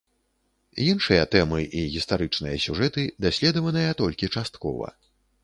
Іншыя тэмы і гістарычныя сюжэты даследаваныя толькі часткова.